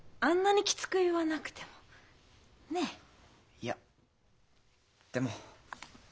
いやでも。